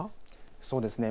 そうですね。